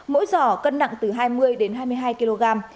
mỗi giỏ cân nặng từ hai mươi đến hai mươi hai kg